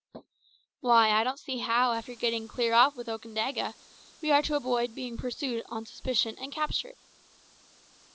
"Why, I don't see how, after getting clear off with Okandaga, we are to avoid being pursued on suspicion and captured."